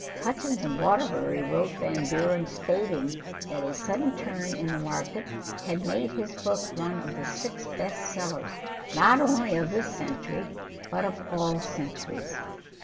Hutchins & Waterbury wrote Van Buren stating that a sudden turn in the market had made his book one of the six best sellers not only of this century but of all centuries.